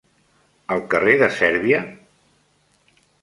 al carrer de Sèrbia?